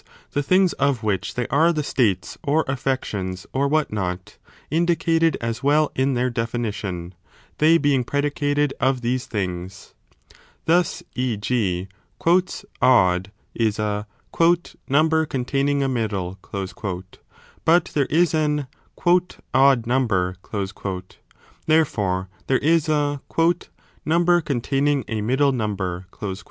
the things of which they are the states or affections or what not, indicated as well in their definition, they being predicated of these things. Thus e. g. odd is a 4 number containing a middle : but there is an odd number : therefore there is a number containing a 10 middle number .